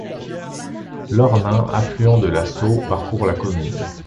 L'Ornain, afluent de la Saulx, parcourt la commune.